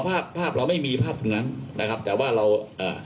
ภาพภาพเราไม่มีภาพตรงนั้นนะครับแต่ว่าเราเอ่อ